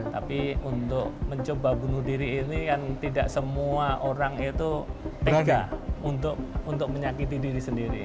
tapi untuk mencoba bunuh diri ini kan tidak semua orang itu tega untuk menyakiti diri sendiri